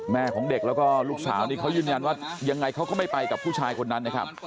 ของเด็กแล้วก็ลูกสาวนี่เขายืนยันว่ายังไงเขาก็ไม่ไปกับผู้ชายคนนั้นนะครับ